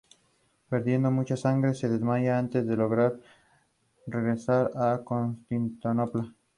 Existen distintos tipos de lentes, siendo las lentes plásticas las más comunes.